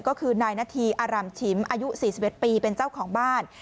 ก็คือนายนาธีอาร่ำฉิมอายุ๔๑ปีเป็นเจ้าของบ้าน